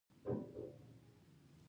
صابر مې سترګو ته جګ ولاړ و.